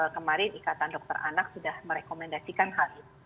kemarin ikatan dokter anak sudah merekomendasikan hal ini